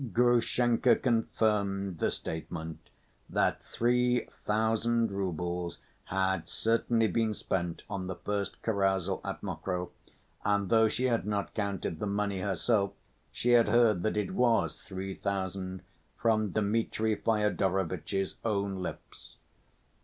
Grushenka confirmed the statement that three thousand roubles had certainly been spent on the first carousal at Mokroe, and, though she had not counted the money herself, she had heard that it was three thousand from Dmitri Fyodorovitch's own lips.